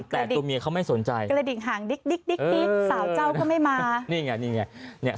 แต่ตัวเมียเขาไม่สนใจกระดิ่งห่างสาวเจ้าก็ไม่มา